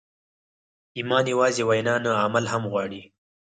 ایمان یوازې وینا نه، عمل هم غواړي.